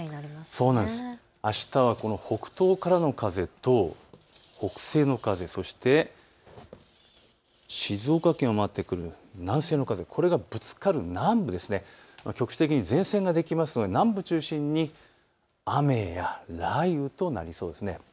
あしたは北東からの風と北西の風、そして静岡県を回ってくる南西の風、これがぶつかる南部、局地的に前線ができますので南部中心に雨や雷雨となりそうです。